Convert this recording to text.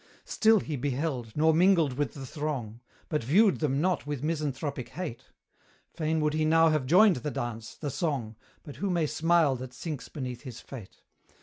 Still he beheld, nor mingled with the throng; But viewed them not with misanthropic hate; Fain would he now have joined the dance, the song, But who may smile that sinks beneath his fate?